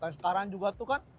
sekarang juga tuh kan